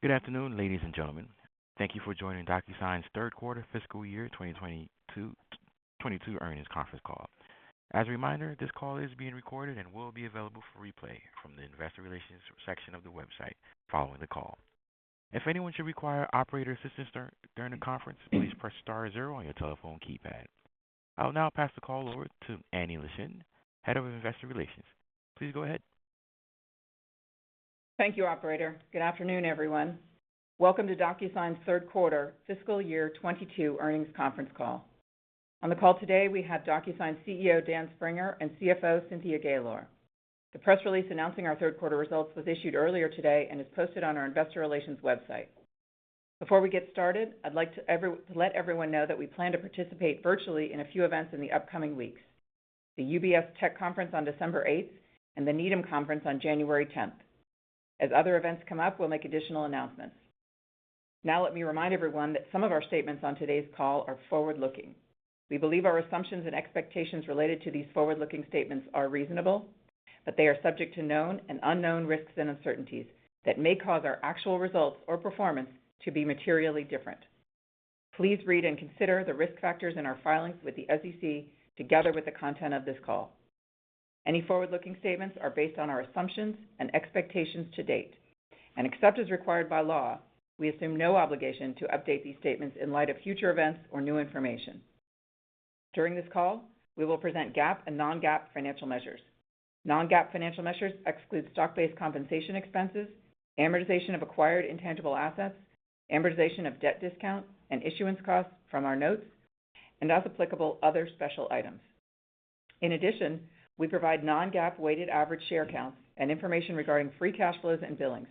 Good afternoon, ladies and gentlemen. Thank you for joining DocuSign's Q3 FY2022 Earnings Conference Call. As a reminder, this call is being recorded and will be available for replay from the investor relations section of the website following the call. If anyone should require operator assistance during the conference, please press star zero on your telephone keypad. I'll now pass the call over to Annie Leschin, Head of Investor Relations. Please go ahead. Thank you, operator. Good afternoon, everyone. Welcome to DocuSign's Q3 FY2022 earnings Conference Call. On the call today, we have DocuSign's CEO, Dan Springer, and CFO, Cynthia Gaylor. The press release announcing our third quarter results was issued earlier today and is posted on our investor relations website. Before we get started, I'd like to let everyone know that we plan to participate virtually in a few events in the upcoming weeks, the UBS Tech Conference on December 8 and the Needham Conference on January 10. As other events come up, we'll make additional announcements. Now, let me remind everyone that some of our statements on today's call are forward-looking. We believe our assumptions and expectations related to these forward-looking statements are reasonable, but they are subject to known and unknown risks and uncertainties that may cause our actual results or performance to be materially different. Please read and consider the risk factors in our filings with the SEC together with the content of this call. Any forward-looking statements are based on our assumptions and expectations to date, and except as required by law, we assume no obligation to update these statements in light of future events or new information. During this call, we will present GAAP and non-GAAP financial measures. Non-GAAP financial measures exclude stock-based compensation expenses, amortization of acquired intangible assets, amortization of debt discount, and issuance costs from our notes, and as applicable, other special items. In addition, we provide non-GAAP weighted average share counts and information regarding free cash flows and billings.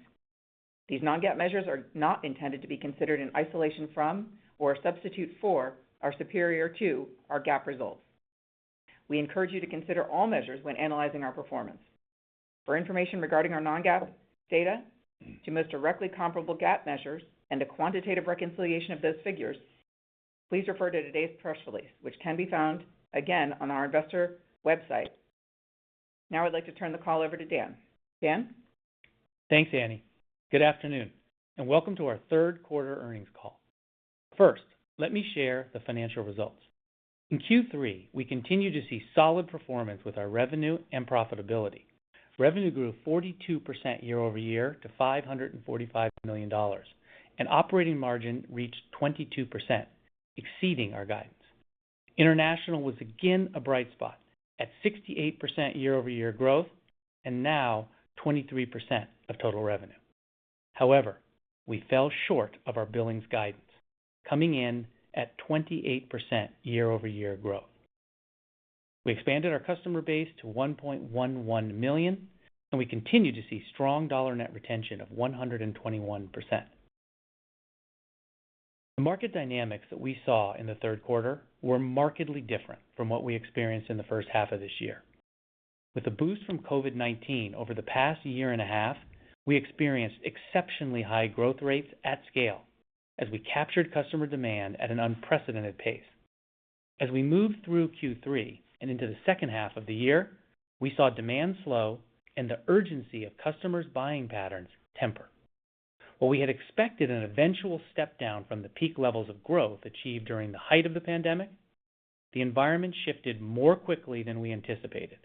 These non-GAAP measures are not intended to be considered in isolation from or substitute for or superior to our GAAP results. We encourage you to consider all measures when analyzing our performance. For information regarding our non-GAAP measures to the most directly comparable GAAP measures and a quantitative reconciliation of those figures, please refer to today's press release, which can be found again on our investor website. Now I'd like to turn the call over to Dan. Dan? Thanks, Annie. Good afternoon, and welcome to our Q3 earnings call. First, let me share the financial results. In Q3, we continued to see solid performance with our revenue and profitability. Revenue grew 42% year-over-year to $545 million, and operating margin reached 22%, exceeding our guidance. International was again a bright spot at 68% year-over-year growth and now 23% of total revenue. However, we fell short of our billings guidance, coming in at 28% year-over-year growth. We expanded our customer base to 1.11 million, and we continue to see strong dollar net retention of 121%. The market dynamics that we saw in the third quarter were markedly different from what we experienced in the first half of this year. With a boost from COVID-19 over the past year and a half, we experienced exceptionally high growth rates at scale as we captured customer demand at an unprecedented pace. As we moved through Q3 and into the H2 of the year, we saw demand slow and the urgency of customers' buying patterns temper. While we had expected an eventual step down from the peak levels of growth achieved during the height of the pandemic, the environment shifted more quickly than we anticipated,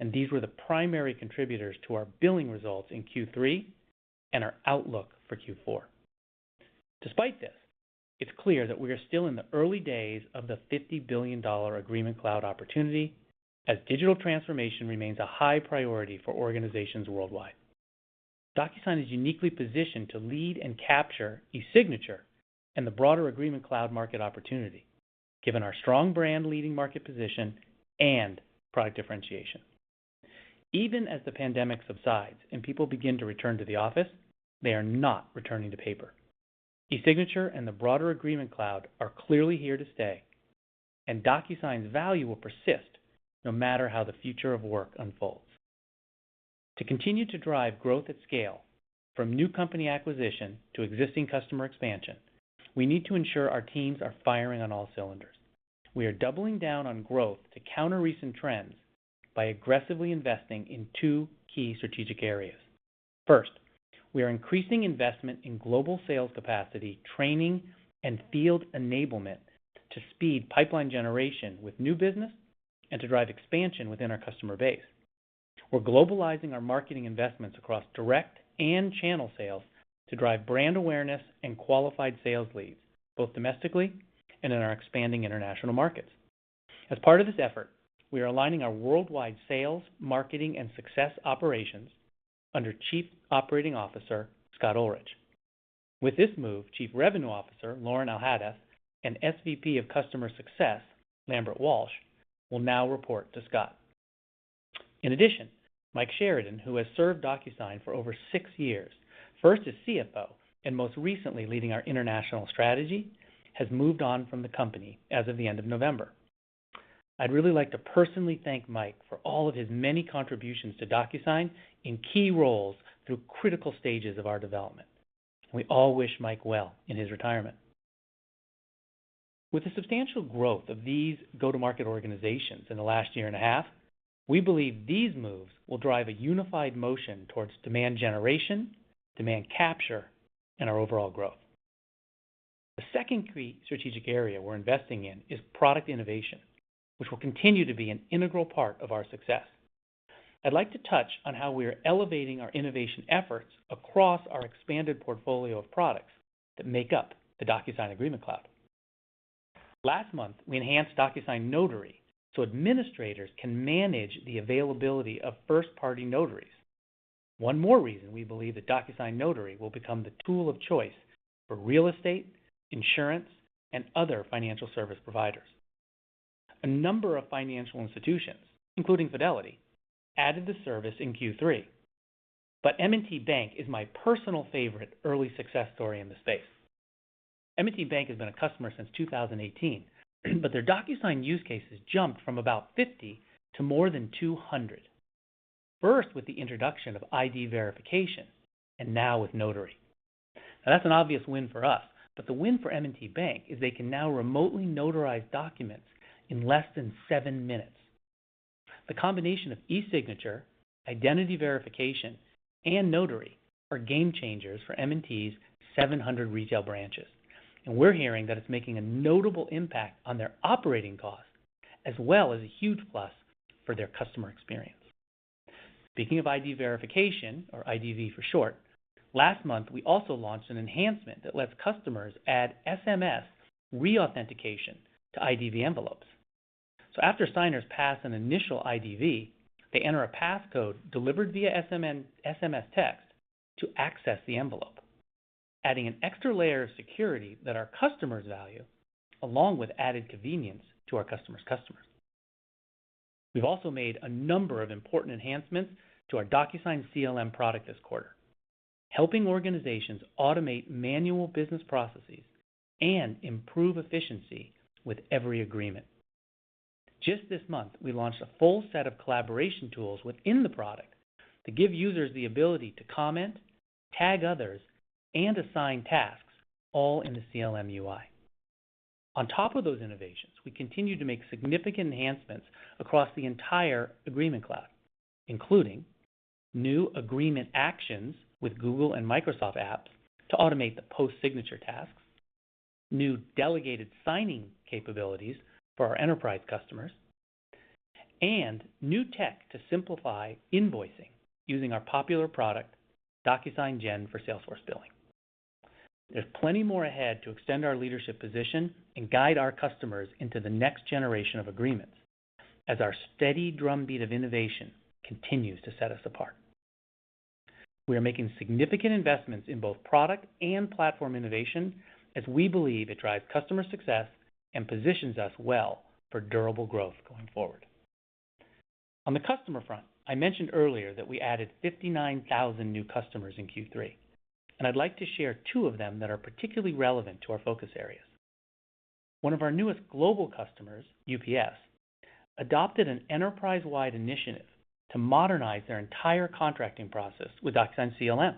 and these were the primary contributors to our billing results in Q3 and our outlook for Q4. Despite this, it's clear that we are still in the early days of the $50 billion Agreement Cloud opportunity as digital transformation remains a high priority for organizations worldwide. DocuSign is uniquely positioned to lead and capture eSignature and the broader Agreement Cloud market opportunity, given our strong brand leading market position and product differentiation. Even as the pandemic subsides and people begin to return to the office, they are not returning to paper. eSignature and the broader Agreement Cloud are clearly here to stay, and DocuSign's value will persist no matter how the future of work unfolds. To continue to drive growth at scale from new company acquisition to existing customer expansion, we need to ensure our teams are firing on all cylinders. We are doubling down on growth to counter recent trends by aggressively investing in two key strategic areas. First, we are increasing investment in global sales capacity training and field enablement to speed pipeline generation with new business and to drive expansion within our customer base. We're globalizing our marketing investments across direct and channel sales to drive brand awareness and qualified sales leads, both domestically and in our expanding international markets. As part of this effort, we are aligning our worldwide sales, marketing, and success operations under Chief Operating Officer Scott Olrich. With this move, Chief Revenue Officer Loren Alhadeff and SVP of Customer Success Lambert Walsh will now report to Scott. In addition, Mike Sheridan, who has served DocuSign for over six years, first as CFO and most recently leading our international strategy, has moved on from the company as of the end of November. I'd really like to personally thank Mike for all of his many contributions to DocuSign in key roles through critical stages of our development. We all wish Mike well in his retirement. With the substantial growth of these go-to-market organizations in the last year and a half, we believe these moves will drive a unified motion towards demand generation, demand capture, and our overall growth. The second key strategic area we're investing in is product innovation, which will continue to be an integral part of our success. I'd like to touch on how we are elevating our innovation efforts across our expanded portfolio of products that make up the DocuSign Agreement Cloud. Last month, we enhanced DocuSign Notary so administrators can manage the availability of first-party notaries. One more reason we believe that DocuSign Notary will become the tool of choice for real estate, insurance, and other financial service providers. A number of financial institutions, including Fidelity, added the service in Q3, but M&T Bank is my personal favorite early success story in the space. M&T Bank has been a customer since 2018, but their DocuSign use cases jumped from about 50 to more than 200, first with the introduction of ID verification and now with Notary. Now, that's an obvious win for us, but the win for M&T Bank is they can now remotely notarize documents in less than seven minutes. The combination of eSignature, identity verification, and Notary are game changers for M&T's 700 retail branches, and we're hearing that it's making a notable impact on their operating costs as well as a huge plus for their customer experience. Speaking of ID verification, or IDV for short, last month, we also launched an enhancement that lets customers add SMS re-authentication to IDV envelopes. After signers pass an initial IDV, they enter a passcode delivered via SMS text to access the envelope, adding an extra layer of security that our customers value, along with added convenience to our customer's customers. We've also made a number of important enhancements to our DocuSign CLM product this quarter, helping organizations automate manual business processes and improve efficiency with every agreement. Just this month, we launched a full set of collaboration tools within the product to give users the ability to comment, tag others, and assign tasks all in the CLM UI. On top of those innovations, we continue to make significant enhancements across the entire Agreement Cloud, including new agreement actions with Google and Microsoft apps to automate the post-signature tasks, new delegated signing capabilities for our enterprise customers, and new tech to simplify invoicing using our popular product, DocuSign Gen for Salesforce Billing. There's plenty more ahead to extend our leadership position and guide our customers into the next generation of agreements as our steady drumbeat of innovation continues to set us apart. We are making significant investments in both product and platform innovation as we believe it drives customer success and positions us well for durable growth going forward. On the customer front, I mentioned earlier that we added 59,000 new customers in Q3, and I'd like to share two of them that are particularly relevant to our focus areas. One of our newest global customers, UPS, adopted an enterprise-wide initiative to modernize their entire contracting process with DocuSign CLM.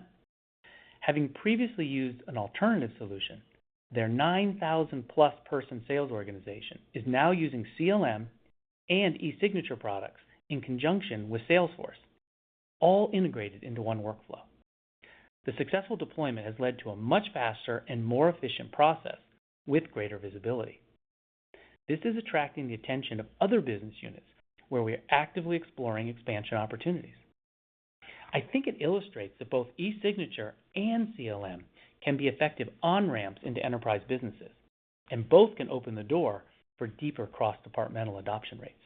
Having previously used an alternative solution, their 9,000+ person sales organization is now using CLM and eSignature products in conjunction with Salesforce, all integrated into one workflow. The successful deployment has led to a much faster and more efficient process with greater visibility. This is attracting the attention of other business units where we are actively exploring expansion opportunities. I think it illustrates that both eSignature and CLM can be effective on-ramps into enterprise businesses, and both can open the door for deeper cross-departmental adoption rates.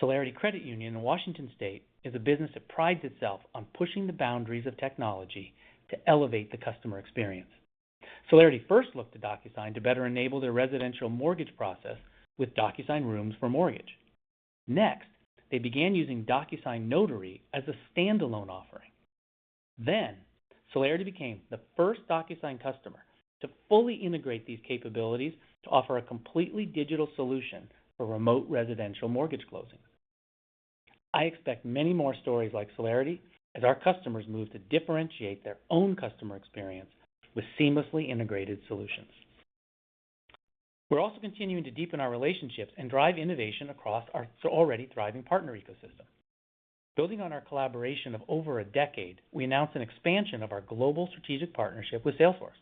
Solarity Credit Union in Washington State is a business that prides itself on pushing the boundaries of technology to elevate the customer experience. Solarity first looked to DocuSign to better enable their residential mortgage process with DocuSign Rooms for Mortgage. Next, they began using DocuSign Notary as a standalone offering. Then Solarity became the first DocuSign customer to fully integrate these capabilities to offer a completely digital solution for remote residential mortgage closings. I expect many more stories like Solarity as our customers move to differentiate their own customer experience with seamlessly integrated solutions. We're also continuing to deepen our relationships and drive innovation across our already thriving partner ecosystem. Building on our collaboration of over a decade, we announced an expansion of our global strategic partnership with Salesforce.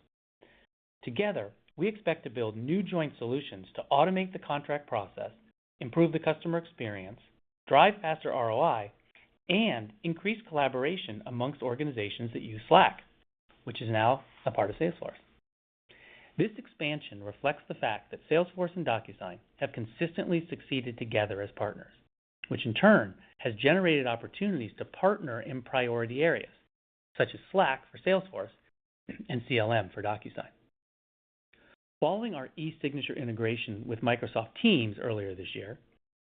Together, we expect to build new joint solutions to automate the contract process, improve the customer experience, drive faster ROI, and increase collaboration amongst organizations that use Slack, which is now a part of Salesforce. This expansion reflects the fact that Salesforce and DocuSign have consistently succeeded together as partners, which in turn has generated opportunities to partner in priority areas such as Slack for Salesforce and CLM for DocuSign. Following our eSignature integration with Microsoft Teams earlier this year,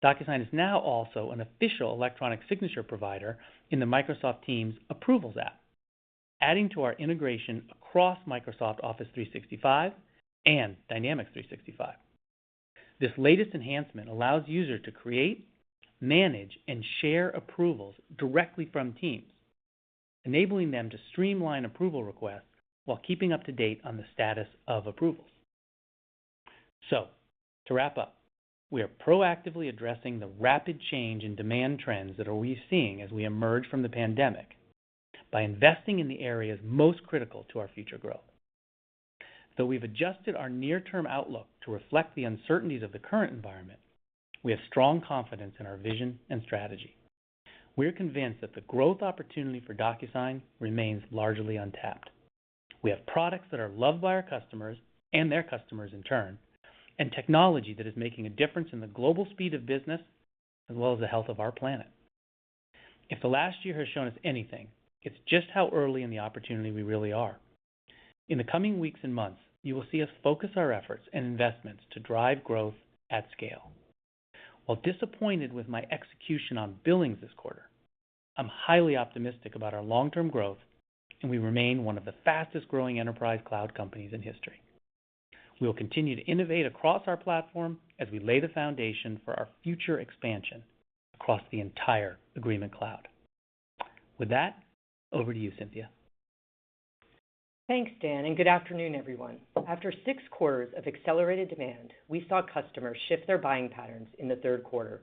DocuSign is now also an official electronic signature provider in the Microsoft Teams Approvals app, adding to our integration across Microsoft Office 365 and Dynamics 365. This latest enhancement allows users to create, manage, and share approvals directly from Teams, enabling them to streamline approval requests while keeping up to date on the status of approvals. To wrap up, we are proactively addressing the rapid change in demand trends that we're seeing as we emerge from the pandemic by investing in the areas most critical to our future growth. Though we've adjusted our near-term outlook to reflect the uncertainties of the current environment, we have strong confidence in our vision and strategy. We're convinced that the growth opportunity for DocuSign remains largely untapped. We have products that are loved by our customers and their customers in turn, and technology that is making a difference in the global speed of business as well as the health of our planet. If the last year has shown us anything, it's just how early in the opportunity we really are. In the coming weeks and months, you will see us focus our efforts and investments to drive growth at scale. While disappointed with my execution on billings this quarter, I'm highly optimistic about our long-term growth, and we remain one of the fastest-growing enterprise cloud companies in history. We will continue to innovate across our platform as we lay the foundation for our future expansion across the entire Agreement Cloud. With that, over to you, Cynthia. Thanks, Dan, and good afternoon, everyone. After six quarters of accelerated demand, we saw customers shift their buying patterns in the Q3.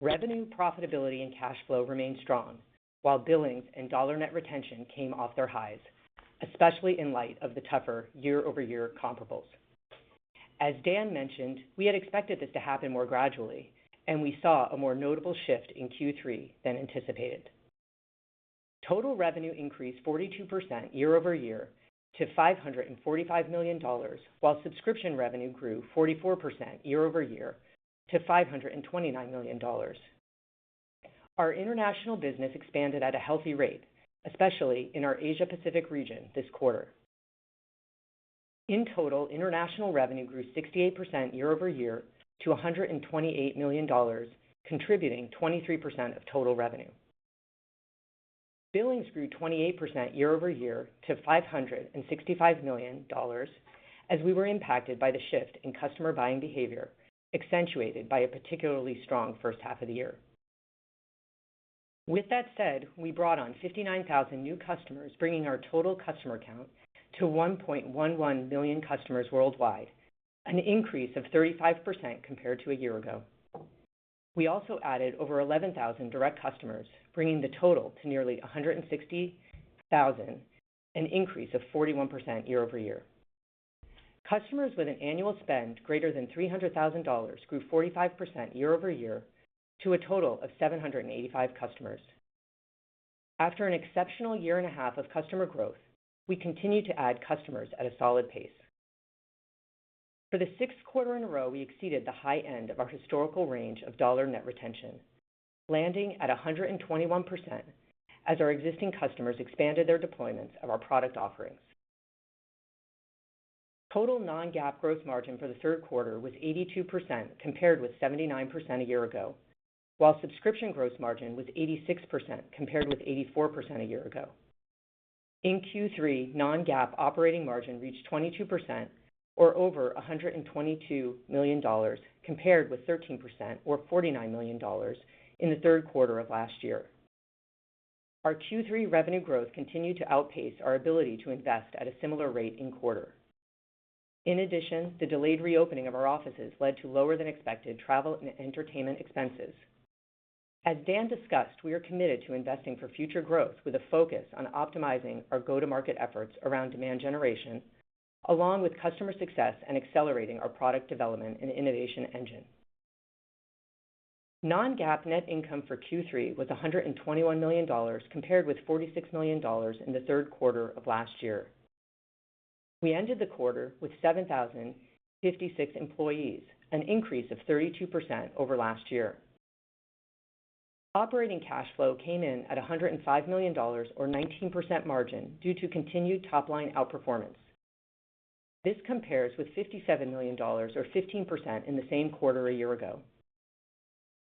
Revenue, profitability, and cash flow remained strong, while billings and dollar net retention came off their highs, especially in light of the tougher year-over-year comparables. As Dan mentioned, we had expected this to happen more gradually, and we saw a more notable shift in Q3 than anticipated. Total revenue increased 42% year over year to $545 million, while subscription revenue grew 44% year over year to $529 million. Our international business expanded at a healthy rate, especially in our Asia-Pacific region this quarter. In total, international revenue grew 68% year over year to $128 million, contributing 23% of total revenue. Billings grew 28% year-over-year to $565 million as we were impacted by the shift in customer buying behavior, accentuated by a particularly strong first half of the year. With that said, we brought on 59,000 new customers, bringing our total customer count to 1.11 million customers worldwide, an increase of 35% compared to a year ago. We also added over 11,000 direct customers, bringing the total to nearly 160,000, an increase of 41% year-over-year. Customers with an annual spend greater than $300,000 grew 45% year-over-year to a total of 785 customers. After an exceptional year and a half of customer growth, we continue to add customers at a solid pace. For the sixth quarter in a row, we exceeded the high end of our historical range of dollar net retention, landing at 121% as our existing customers expanded their deployments of our product offerings. Total non-GAAP growth margin for the Q3 was 82% compared with 79% a year ago, while subscription growth margin was 86% compared with 84% a year ago. In Q3, non-GAAP operating margin reached 22% or over $122 million compared with 13% or $49 million in the Q3 of last year. Our Q3 revenue growth continued to outpace our ability to invest at a similar rate in quarter. In addition, the delayed reopening of our offices led to lower than expected travel and entertainment expenses. As Dan discussed, we are committed to investing for future growth with a focus on optimizing our go-to-market efforts around demand generation, along with customer success and accelerating our product development and innovation engine. Non-GAAP net income for Q3 was $121 million compared with $46 million in the Q3 of last year. We ended the quarter with 7,056 employees, an increase of 32% over last year. Operating cash flow came in at $105 million or 19% margin due to continued top-line outperformance. This compares with $57 million or 15% in the same quarter a year ago.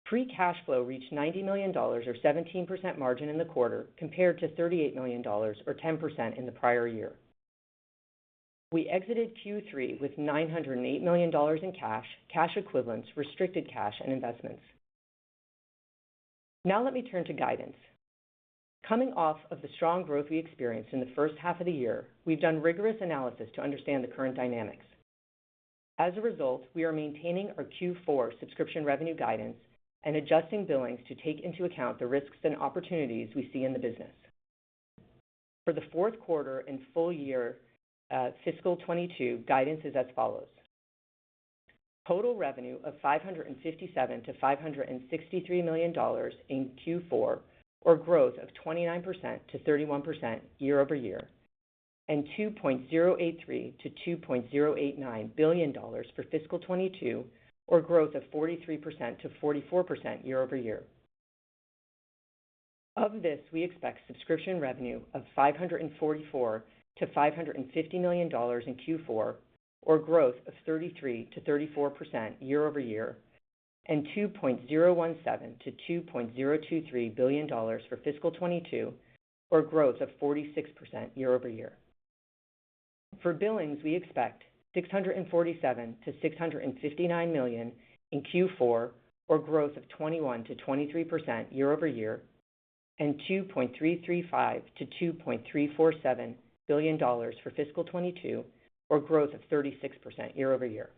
Free cash flow reached $90 million or 17% margin in the quarter, compared to $38 million or 10% in the prior year. We exited Q3 with $908 million in cash equivalents, restricted cash, and investments. Now let me turn to guidance. Coming off of the strong growth we experienced in the first half of the year, we've done rigorous analysis to understand the current dynamics. As a result, we are maintaining our Q4 subscription revenue guidance and adjusting billings to take into account the risks and opportunities we see in the business. For the Q4 and full-year, FY2022 guidance is as follows. Total revenue of $557 million-$563 million in Q4, or growth of 29%-31% year-over-year, and $2.083 billion-$2.089 billion for FY2022, or growth of 43%-44% year-over-year. Of this, we expect subscription revenue of $544 million-$550 million in Q4, or growth of 33%-34% year-over-year, and $2.017 billion-$2.023 billion for FY2022, or growth of 46% year-over-year. For billings, we expect $647 million to $659 million in Q4, or growth of 21%-23% year-over-year, and $2.335 billion to $2.347 billion for FY2022, or growth of 36% year-over-year.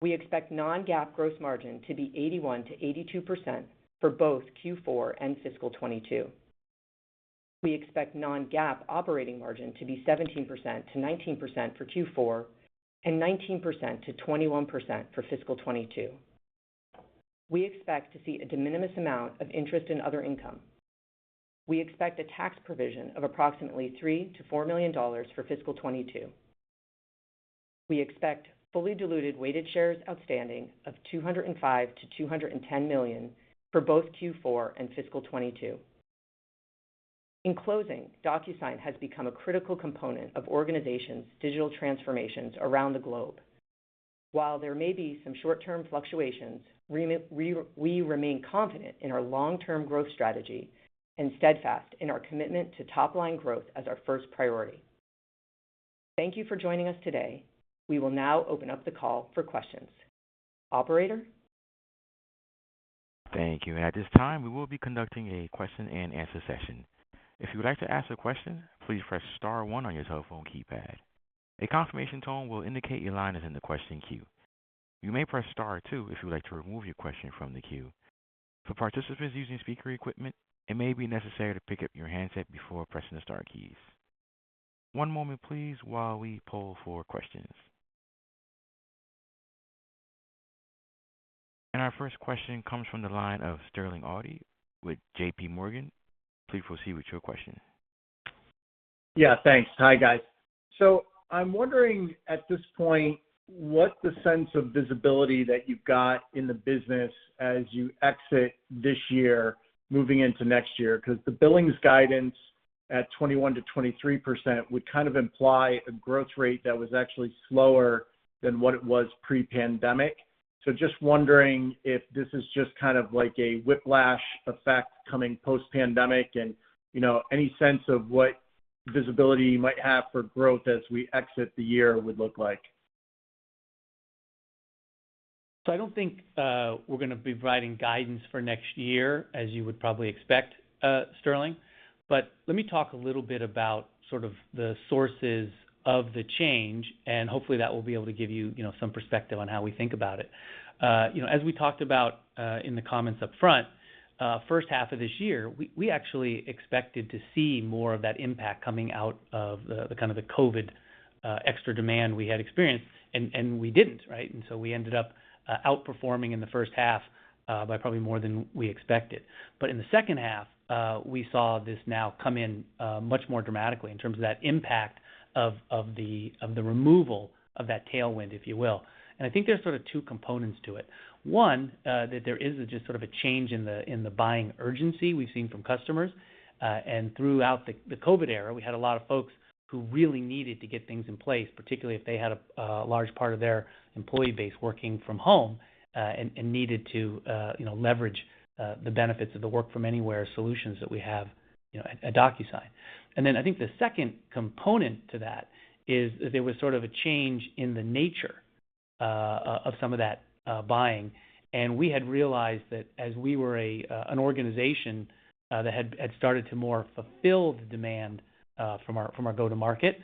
We expect non-GAAP gross margin to be 81%-82% for both Q4 and FY2022. We expect non-GAAP operating margin to be 17%-19% for Q4 and 19%-21% for FY2022. We expect to see a de minimis amount of interest in other income. We expect a tax provision of approximately $3 million to $4 million for FY2022. We expect fully diluted weighted shares outstanding of $205 million to $210 million for both Q4 and FY2022. In closing, DocuSign has become a critical component of organizations' digital transformations around the globe. While there may be some short-term fluctuations, we remain confident in our long-term growth strategy and steadfast in our commitment to top-line growth as our first priority. Thank you for joining us today. We will now open up the call for questions. Operator? Our first question comes from the line of Sterling Auty with JPMorgan. Please proceed with your question. Yeah, thanks. Hi, guys. I'm wondering at this point, what the sense of visibility that you've got in the business as you exit this year moving into next year, because the billings guidance at 21%-23% would kind of imply a growth rate that was actually slower than what it was pre-pandemic. Just wondering if this is just kind of like a whiplash effect coming post-pandemic and, any sense of what visibility you might have for growth as we exit the year would look like. I don't think we're gonna be providing guidance for next year, as you would probably expect, Sterling. Let me talk a little bit about sort of the sources of the change, and hopefully, that will be able to give you know, some perspective on how we think about it. As we talked about, in the comments up front, first half of this year, we actually expected to see more of that impact coming out of the kind of COVID-19 extra demand we had experienced, and we didn't, right? We ended up outperforming in the first half by probably more than we expected. In the second half, we saw this now come in much more dramatically in terms of that impact of the removal of that tailwind, if you will. I think there's sort of two components to it. One, that there is just sort of a change in the buying urgency we've seen from customers. Throughout the COVID-19 era, we had a lot of folks who really needed to get things in place, particularly if they had a large part of their employee base working from home, and needed to, leverage the benefits of the work from anywhere solutions that we have, at DocuSign. I think the second component to that is there was sort of a change in the nature of some of that buying. We had realized that as we were an organization that had started to more fulfill the demand from our go-to-market,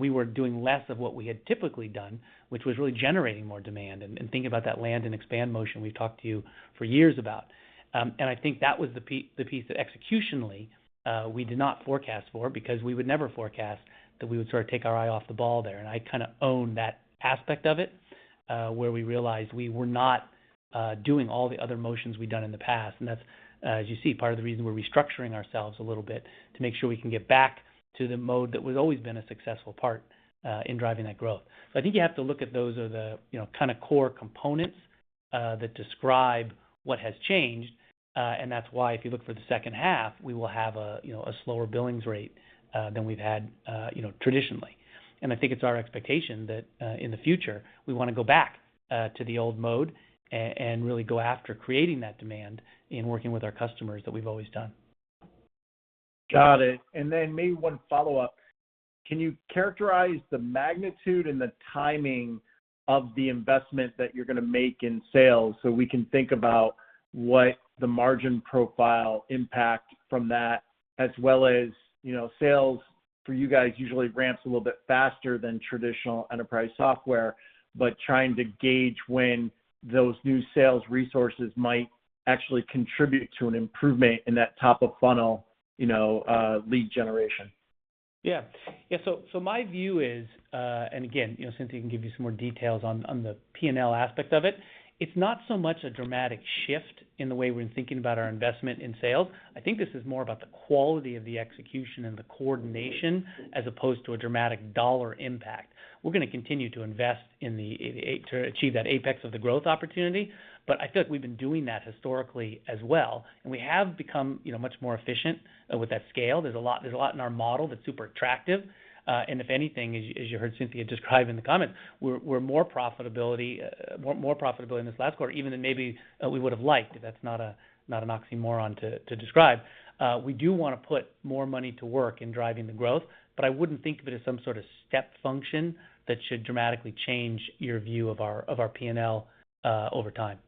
we were doing less of what we had typically done, which was really generating more demand, and think about that land and expand motion we've talked to you for years about. I think that was the piece that executionally we did not forecast for because we would never forecast that we would sort of take our eye off the ball there. I kinda own that aspect of it, where we realized we were not doing all the other motions we've done in the past. That's, as you see, part of the reason we're restructuring ourselves a little bit to make sure we can get back to the mode that has always been a successful part in driving that growth. I think you have to look at those as the, you know, kinda core components that describe what has changed, and that's why if you look in the H2, we will have a slower billings rate than we've had, traditionally. I think it's our expectation that, in the future, we wanna go back to the old mode and really go after creating that demand and working with our customers that we've always done. Got it. Maybe one follow-up. Can you characterize the magnitude and the timing of the investment that you're gonna make in sales, so we can think about what the margin profile impact from that as well as, you know, sales for you guys usually ramps a little bit faster than traditional enterprise software, but trying to gauge when those new sales resources might actually contribute to an improvement in that top of funnel, lead generation? Yeah, my view is, and again, Cynthia can give you some more details on the P&L aspect of it. It's not so much a dramatic shift in the way we're thinking about our investment in sales. I think this is more about the quality of the execution and the coordination as opposed to a dramatic dollar impact. We're gonna continue to invest to achieve that apex of the growth opportunity, but I feel like we've been doing that historically as well, and we have become, much more efficient with that scale. There's a lot in our model that's super attractive. If anything, as you heard Cynthia describe in the comments, we're more profitable in this last quarter even than maybe we would've liked, if that's not an oxymoron to describe. We do want to put more money to work in driving the growth, but I wouldn't think of it as some sort of step function that should dramatically change your view of our P&L over time.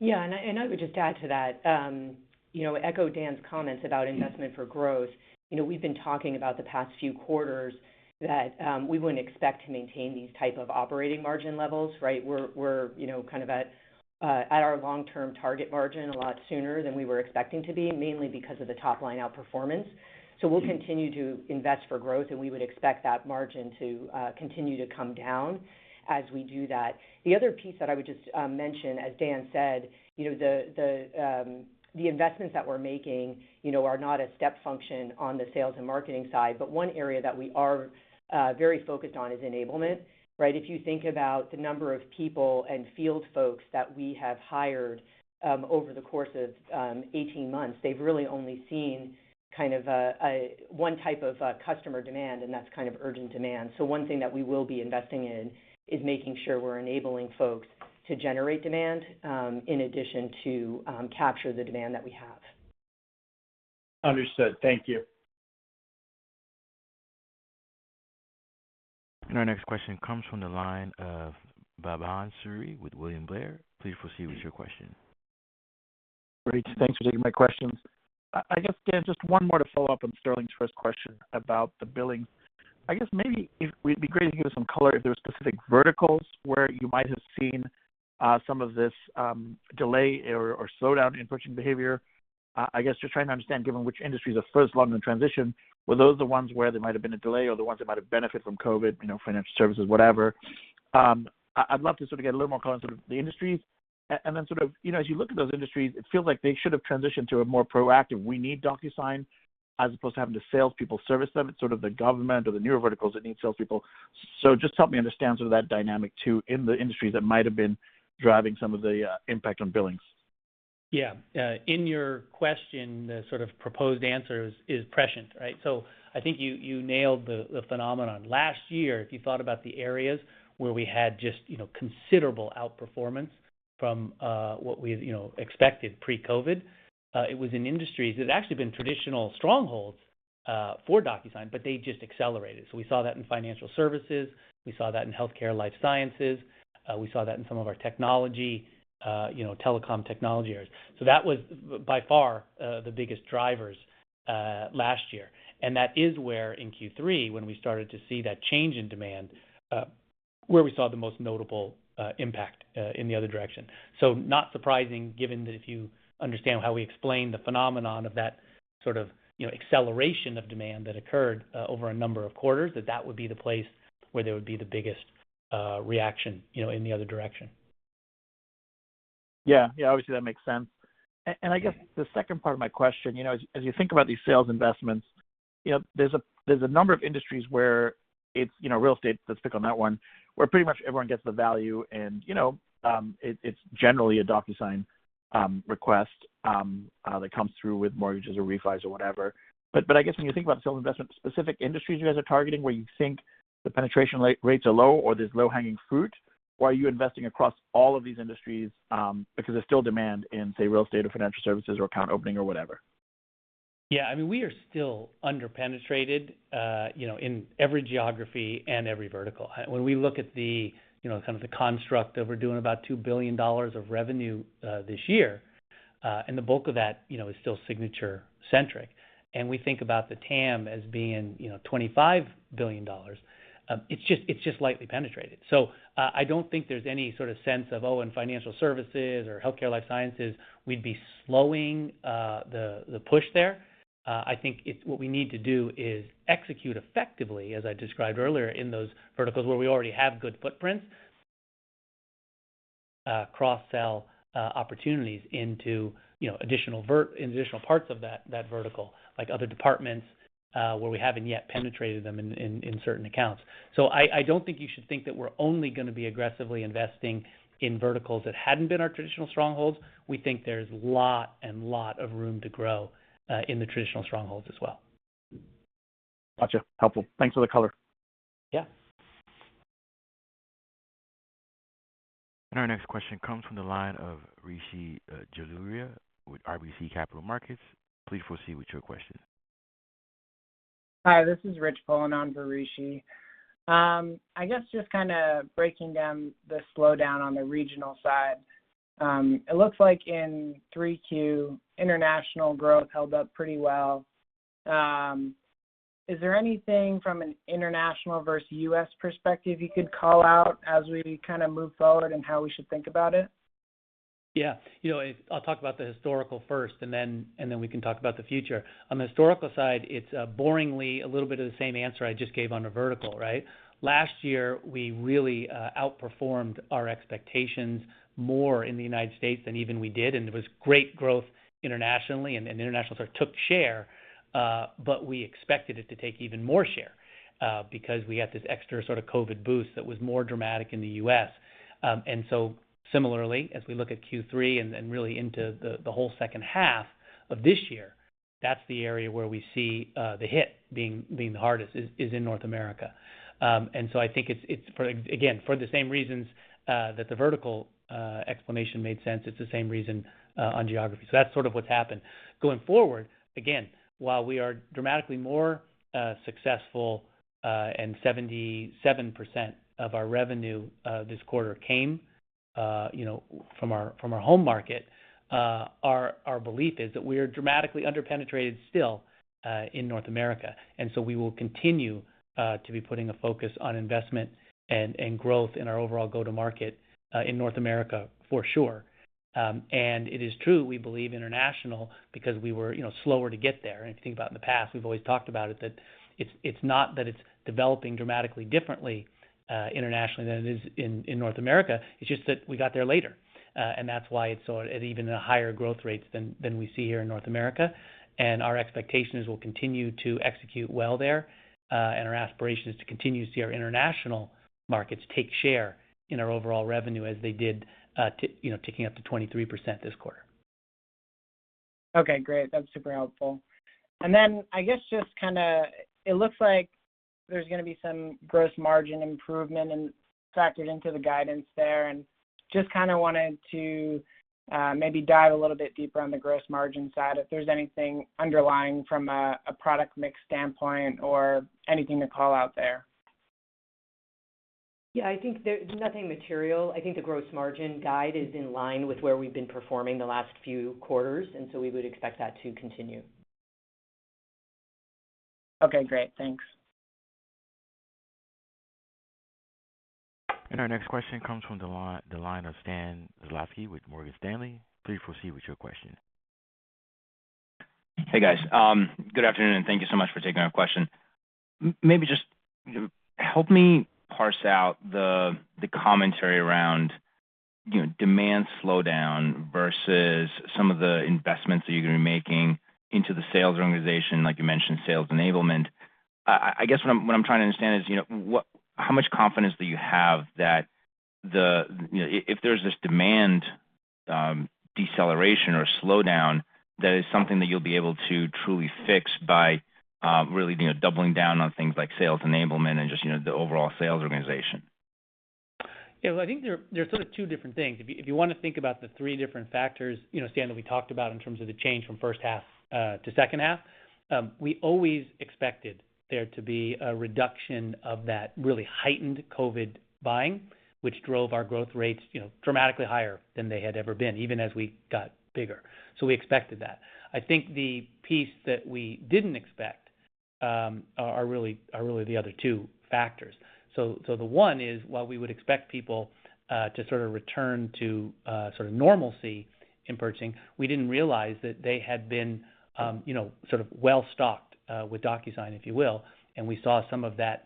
Yeah, and I would just add to that, echo Dan's comments about investment for growth. We've been talking about the past few quarters that we wouldn't expect to maintain these type of operating margin levels, right? We're, kind of at at our long-term target margin a lot sooner than we were expecting to be, mainly because of the top-line outperformance. We'll continue to invest for growth, and we would expect that margin to continue to come down as we do that. The other piece that I would just mention, as Dan said, the investments that we're making, are not a step function on the sales and marketing side, but one area that we are very focused on is enablement, right? If you think about the number of people and field folks that we have hired over the course of 18 months, they've really only seen kind of a one type of customer demand, and that's kind of urgent demand. One thing that we will be investing in is making sure we're enabling folks to generate demand in addition to capture the demand that we have. Understood. Thank you. Our next question comes from the line of Bhavan Suri with William Blair. Please proceed with your question. Great. Thanks for taking my questions. I guess, Dan, just one more to follow up on Sterling's first question about the billing. I guess maybe it'd be great if you give us some color if there are specific verticals where you might have seen some of this delay or slowdown in purchasing behavior. I guess just trying to understand, given which industries are first along the transition, were those the ones where there might have been a delay or the ones that might have benefited from COVID-19, financial services, whatever. I'd love to sort of get a little more color on sort of the industries. Sort of, as you look at those industries, it feels like they should have transitioned to a more proactive, "We need DocuSign," as opposed to having the salespeople service them. It's sort of the government or the newer verticals that need salespeople. Just help me understand sort of that dynamic too in the industries that might have been driving some of the impact on billings. Yeah. In your question, the sort of proposed answers is prescient, right? I think you nailed the phenomenon. Last year, if you thought about the areas where we had just, considerable outperformance from what we had, expected pre-COVID, it was in industries that had actually been traditional strongholds for DocuSign, but they just accelerated. We saw that in financial services. We saw that in healthcare, life sciences. We saw that in some of our technology, telecom technology areas. That was by far the biggest drivers last year. That is where in Q3, when we started to see that change in demand, where we saw the most notable impact in the other direction. Not surprising given that if you understand how we explain the phenomenon of that sort of, acceleration of demand that occurred over a number of quarters, that would be the place where there would be the biggest reaction, in the other direction. Yeah. Obviously, that makes sense. And I guess the second part of my question, as you think about these sales investments, there's a number of industries where it's real estate, let's pick on that one, where pretty much everyone gets the value and it's generally a DocuSign request that comes through with mortgages or refis or whatever. But I guess when you think about sales investment, specific industries you guys are targeting where you think the penetration rates are low or there's low-hanging fruit, or are you investing across all of these industries because there's still demand in, say, real estate or financial services or account opening or whatever? Yeah. I mean, we are still under-penetrated, you know, in every geography and every vertical. When we look at the, kind of the construct of we're doing about $2 billion of revenue, this year, and the bulk of that, is still signature-centric, and we think about the TAM as being, you know, $25 billion, it's just lightly penetrated. I don't think there's any sort of sense of, oh, in financial services or healthcare life sciences, we'd be slowing the push there. I think it's what we need to do is execute effectively, as I described earlier, in those verticals where we already have good footprints, cross-sell opportunities into, you know, additional parts of that vertical, like other departments, where we haven't yet penetrated them in certain accounts. I don't think you should think that we're only gonna be aggressively investing in verticals that hadn't been our traditional strongholds. We think there's lot of room to grow in the traditional strongholds as well. Gotcha. Helpful. Thanks for the color. Yeah. Our next question comes from the line of Rishi Jaluria with RBC Capital Markets. Please proceed with your question. Hi, this is Rich filling in for Rishi. I guess just kinda breaking down the slowdown on the regional side. It looks like in Q3, international growth held up pretty well. Is there anything from an international versus U.S. perspective you could call out as we kind of move forward and how we should think about it? Yeah. You know, I'll talk about the historical first, and then we can talk about the future. On the historical side, it's boringly a little bit of the same answer I just gave on the vertical, right? Last year, we really outperformed our expectations more in the United States than even we did, and it was great growth internationally and international sort of took share, but we expected it to take even more share, because we had this extra sort of COVID-19 boost that was more dramatic in the U.S. And similarly, as we look at Q3 and then really into the whole second half of this year, that's the area where we see the hit being the hardest is in North America. I think it's for the same reasons that the vertical explanation made sense. It's the same reason on geography. That's sort of what's happened. Going forward, again, while we are dramatically more successful and 77% of our revenue this quarter came, you know, from our home market, our belief is that we are dramatically under-penetrated still in North America. We will continue to be putting a focus on investment and growth in our overall go-to-market in North America for sure. It is true. We believe international because we were, slower to get there. If you think about in the past, we've always talked about it, that it's not that it's developing dramatically differently internationally than it is in North America, it's just that we got there later. That's why it's sort of even higher growth rates than we see here in North America. Our expectation is we'll continue to execute well there, and our aspiration is to continue to see our international markets take share in our overall revenue as they did, you know, ticking up to 23% this quarter. Okay, great. That's super helpful. Then I guess just kinda, it looks like there's gonna be some gross margin improvement and factored into the guidance there, and just kinda wanted to maybe dive a little bit deeper on the gross margin side, if there's anything underlying from a product mix standpoint or anything to call out there. Yeah, I think there's nothing material. I think the gross margin guide is in line with where we've been performing the last few quarters, and so we would expect that to continue. Okay, great. Thanks. Our next question comes from the line of Stan Zlotsky with Morgan Stanley. Please proceed with your question. Hey, guys. Good afternoon, and thank you so much for taking our question. Maybe just, help me parse out the commentary around, demand slowdown versus some of the investments that you're gonna be making into the sales organization, like you mentioned, sales enablement. I guess what I'm trying to understand is, how much confidence do you have that the, if there's this demand, deceleration or slowdown, that is something that you'll be able to truly fix by, really, doubling down on things like sales enablement and just, the overall sales organization? Yeah. Well, I think there's sort of two different things. If you wanna think about the three different factors, Stan, that we talked about in terms of the change from first half to second half, we always expected there to be a reduction of that really heightened COVID-19 buying, which drove our growth rates, you know, dramatically higher than they had ever been, even as we got bigger. We expected that. I think the piece that we didn't expect are really the other two factors. The one is, while we would expect people to sort of return to sort of normalcy in purchasing, we didn't realize that they had been, you know, sort of well-stocked with DocuSign, if you will, and we saw some of that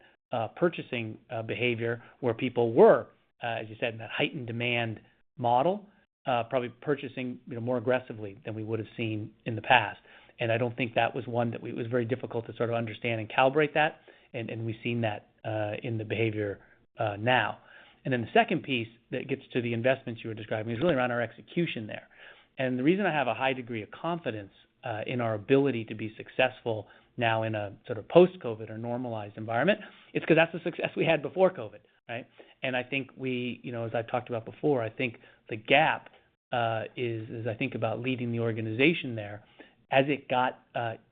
purchasing behavior where people were, as you said, in a heightened demand model, probably purchasing, you know, more aggressively than we would have seen in the past. I don't think that was one. It was very difficult to sort of understand and calibrate that, and we've seen that in the behavior now. The second piece that gets to the investments you were describing is really around our execution there. The reason I have a high degree of confidence in our ability to be successful now in a sort of post-COVID-19 or normalized environment is 'cause that's the success we had before COVID-19, right? I think we, as I've talked about before, I think the gap is I think about leading the organization there. As it got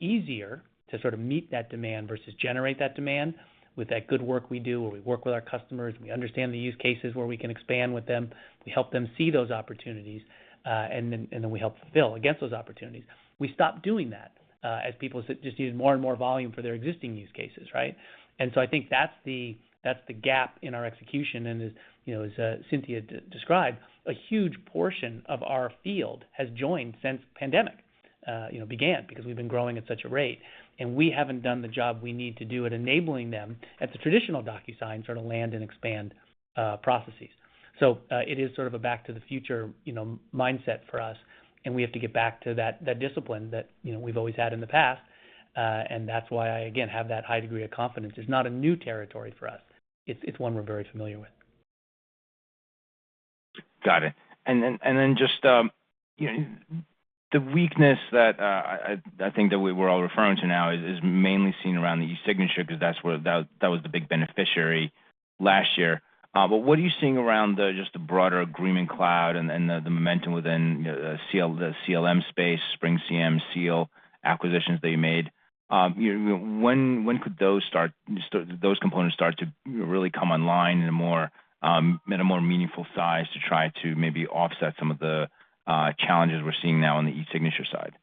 easier to sort of meet that demand versus generate that demand with that good work we do, where we work with our customers, we understand the use cases where we can expand with them, we help them see those opportunities, and then we help fulfill against those opportunities. We stopped doing that as people just needed more and more volume for their existing use cases, right? I think that's the gap in our execution, and as you know, as Cynthia described, a huge portion of our field has joined since pandemic began because we've been growing at such a rate, and we haven't done the job we need to do at enabling them at the traditional DocuSign sort of land and expand processes. It is sort of a back to the future, mindset for us, and we have to get back to that discipline that, you know, we've always had in the past. That's why I again have that high degree of confidence. It's not a new territory for us. It's one we're very familiar with. Got it. Just you know the weakness that I think that we're all referring to now is mainly seen around the eSignature because that's where that was the big beneficiary last year. What are you seeing around just the broader Agreement Cloud and then the momentum within the Clause, the CLM space, SpringCM, Clause acquisitions that you made? You know when could those components start to you know really come online in a more meaningful size to try to maybe offset some of the challenges we're seeing now on the eSignature side?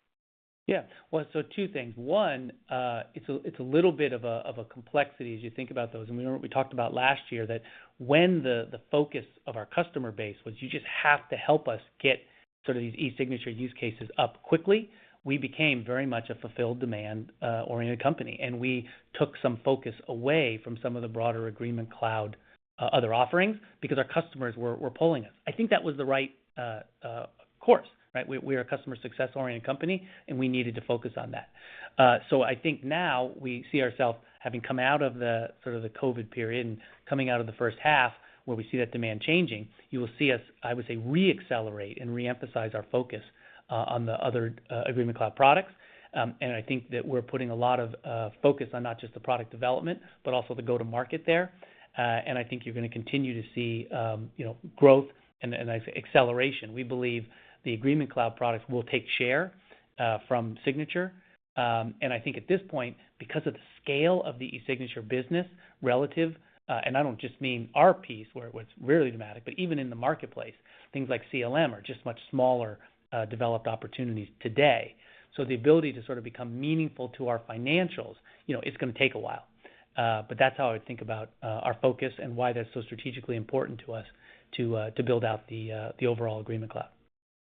Yeah. Well, two things. One, it's a little bit of a complexity as you think about those. We know what we talked about last year, that when the focus of our customer base was you just have to help us get sort of these eSignature use cases up quickly, we became very much a demand fulfillment-oriented company, and we took some focus away from some of the broader Agreement Cloud other offerings because our customers were pulling us. I think that was the right course, right? We're a customer success-oriented company, and we needed to focus on that. I think now we see ourselves having come out of the sort of the COVID-19 period and coming out of the first half where we see that demand changing. You will see us, I would say, reaccelerate and reemphasize our focus on the other Agreement Cloud products. I think that we're putting a lot of focus on not just the product development, but also the go-to-market there. I think you're gonna continue to see, you know, growth and acceleration. We believe the Agreement Cloud products will take share from Signature. I think at this point, because of the scale of the eSignature business relative, and I don't just mean our piece, where it was really dramatic, but even in the marketplace, things like CLM are just much smaller developed opportunities today. So the ability to sort of become meaningful to our financials, it's gonna take a while. That's how I would think about our focus and why that's so strategically important to us to build out the overall Agreement Cloud.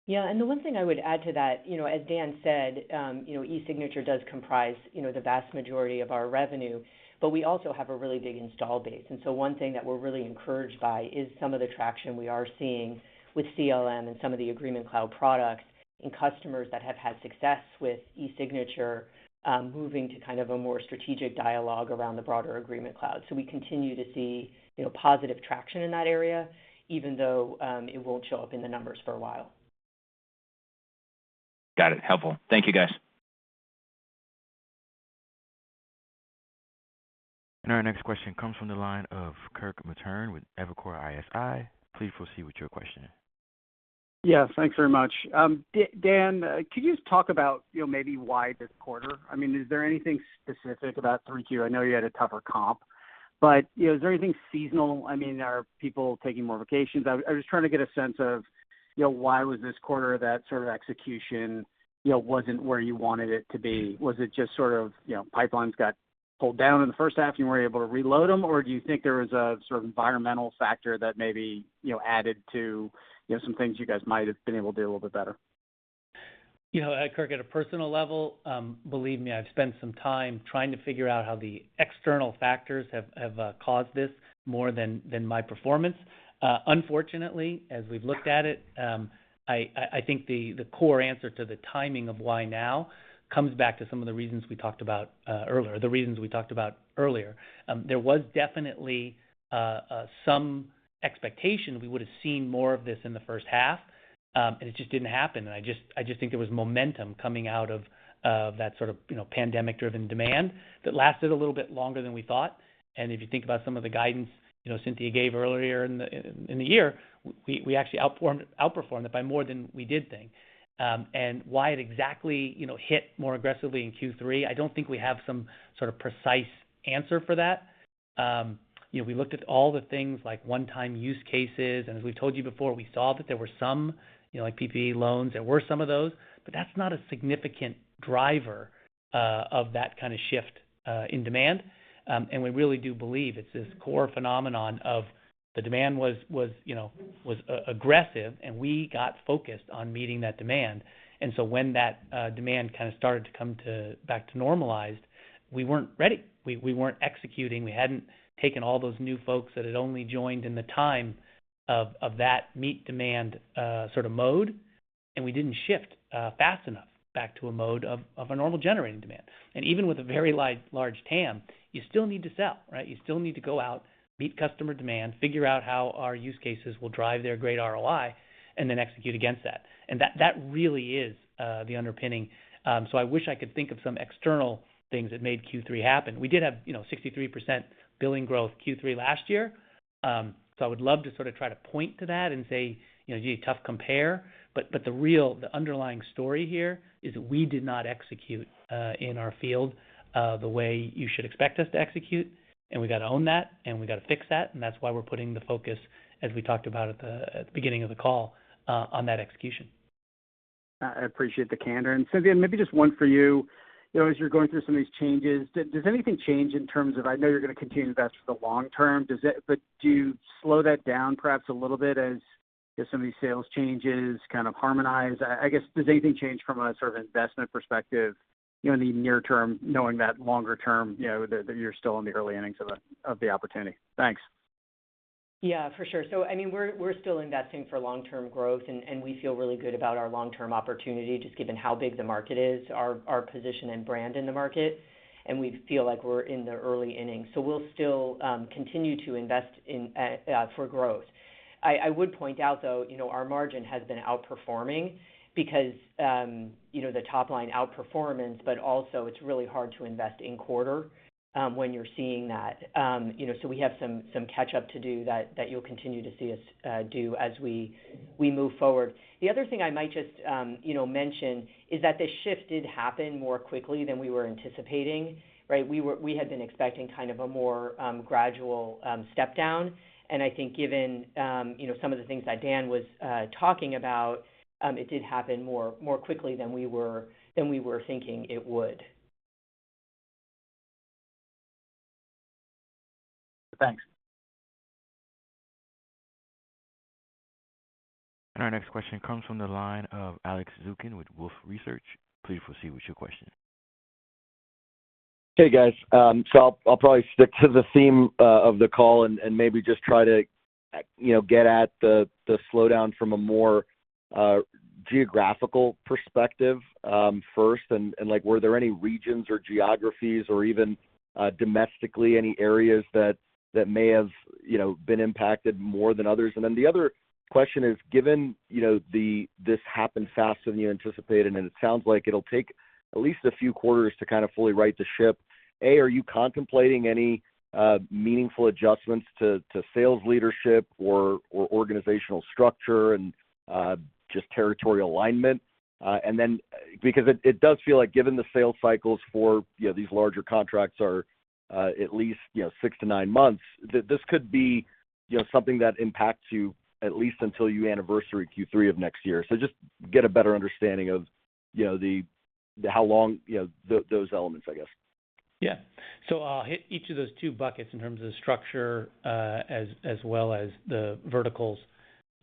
Yeah. The one thing I would add to that, as Dan said, eSignature does comprise, the vast majority of our revenue, but we also have a really big install base. One thing that we're really encouraged by is some of the traction we are seeing with CLM and some of the Agreement Cloud products in customers that have had success with eSignature, moving to kind of a more strategic dialogue around the broader Agreement Cloud. We continue to see, you know, positive traction in that area, even though, it won't show up in the numbers for a while. Got it. Helpful. Thank you, guys. Our next question comes from the line of Kirk Materne with Evercore ISI. Please proceed with your question. Yeah. Thanks very much. Dan, could you just talk about, maybe why this quarter? I mean, is there anything specific about Q3? I know you had a tougher comp, but, is there anything seasonal? I mean, are people taking more vacations? I was trying to get a sense of, why was this quarter that sort of execution, you know, wasn't where you wanted it to be? Was it just sort of, you know, pipelines got pulled down in the first half and you weren't able to reload them? Or do you think there was a sort of environmental factor that maybe, added to, some things you guys might have been able to do a little bit better? Kirk, at a personal level, believe me, I've spent some time trying to figure out how the external factors have caused this more than my performance. Unfortunately, as we've looked at it, I think the core answer to the timing of why now comes back to some of the reasons we talked about earlier. There was definitely some expectation we would've seen more of this in the first half, and it just didn't happen. I just think there was momentum coming out of that sort of, pandemic-driven demand that lasted a little bit longer than we thought. If you think about some of the guidance Cynthia gave earlier in the year, we actually outperformed it by more than we did think. Why it exactly hit more aggressively in Q3, I don't think we have some sort of precise answer for that. We looked at all the things like one-time use cases, and as we've told you before, we saw that there were some like PPP loans, there were some of those, but that's not a significant driver of that kind of shift in demand. We really do believe it's this core phenomenon of the demand was aggressive, and we got focused on meeting that demand. When that demand kind of started to come back to normalized, we weren't ready. We weren't executing. We hadn't taken all those new folks that had only joined in the time of that meet demand sort of mode, and we didn't shift fast enough back to a mode of a normal generating demand. Even with a very large TAM, you still need to sell, right? You still need to go out, meet customer demand, figure out how our use cases will drive their great ROI, and then execute against that. That really is the underpinning, so I wish I could think of some external things that made Q3 happen. We did have, 63% billing growth Q3 last year, so I would love to sort of try to point to that and say, a tough compare, but the real, the underlying story here is we did not execute in our field the way you should expect us to execute, and we got to own that, and we got to fix that, and that's why we're putting the focus, as we talked about at the beginning of the call, on that execution. I appreciate the candor. Cynthia, maybe just one for you. As you're going through some of these changes, does anything change in terms of I know you're gonna continue to invest for the long term. But do you slow that down perhaps a little bit as some of these sales changes kind of harmonize? I guess, does anything change from a sort of investment perspective, in the near term, knowing that longer term, you know, that you're still in the early innings of the opportunity? Thanks. Yeah, for sure. I mean, we're still investing for long-term growth, and we feel really good about our long-term opportunity, just given how big the market is, our position and brand in the market, and we feel like we're in the early innings. We'll still continue to invest for growth. I would point out, though, you know, our margin has been outperforming because, you know, the top line outperformance, but also it's really hard to invest in quarter when you're seeing that. We have some catch up to do that you'll continue to see us do as we move forward. The other thing I might just, mention is that the shift did happen more quickly than we were anticipating, right? We had been expecting kind of a more gradual step-down. I think given you know some of the things that Dan was talking about, it did happen more quickly than we were thinking it would. Thanks. Our next question comes from the line of Alex Zukin with Wolfe Research. Please proceed with your question. Hey, guys. I'll probably stick to the theme of the call and maybe just try to you know get at the slowdown from a more geographical perspective first and like were there any regions or geographies or even domestically any areas that may have you know been impacted more than others? Then the other Given that this happened faster than you anticipated, and it sounds like it'll take at least a few quarters to kind of fully right the ship. Are you contemplating any meaningful adjustments to sales leadership or organizational structure and just territory alignment? And then because it does feel like given the sales cycles for you know these larger contracts are at least you know six to nine months, this could be something that impacts you at least until you anniversary Q3 of next year. So just get a better understanding of the how long you know those elements, I guess. Yeah. I'll hit each of those two buckets in terms of the structure, as well as the verticals,